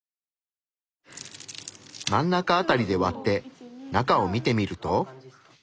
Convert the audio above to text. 真ん中辺りで割って中を見てみると？